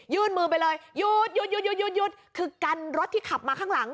ยืนมือไปเลยหยุดหยุดหยุดหยุดหยุดคือกันรถที่ขับมาข้างหลัง